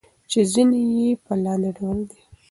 چې ځينې يې په لاندې ډول دي: